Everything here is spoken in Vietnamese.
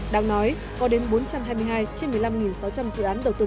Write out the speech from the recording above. đáng nói có đến bốn trăm hai mươi hai trên một mươi năm sáu trăm linh dự án đầu tư